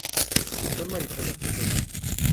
Son mariposas pequeñas.